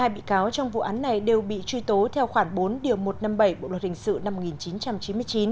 một mươi bị cáo trong vụ án này đều bị truy tố theo khoảng bốn điều một trăm năm mươi bảy bộ luật hình sự năm một nghìn chín trăm chín mươi chín